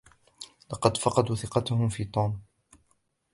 لقد فَقَدوا ثِقَتَهُم في توم.